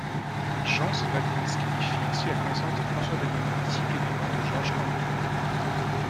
Jean Svagelski fit ainsi la connaissance de François Dagognet, disciple également de Georges Canguilhem.